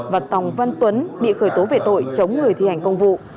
và tòng văn tuấn bị khởi tố về tội chống người thi hành công vụ